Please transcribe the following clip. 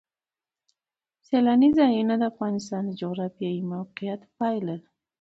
سیلانی ځایونه د افغانستان د جغرافیایي موقیعت پایله ده.